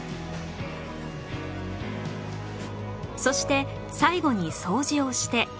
そして最後に掃除をして